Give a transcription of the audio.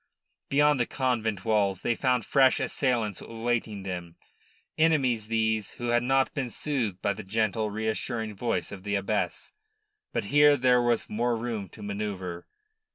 Beyond the convent walls they found fresh assailants awaiting them, enemies these, who had not been soothed by the gentle, reassuring voice of the abbess. But here there was more room to manoeuvre.